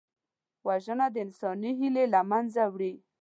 وژنه د انساني هیلې له منځه وړي